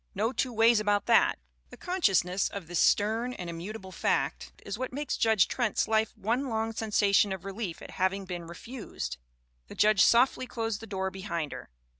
No two ways about that ! The consciousness of this stern and immutable fact is what makes Judge Trent's life one long sensation of relief at having been refused. "The judge softly closed the door behind her.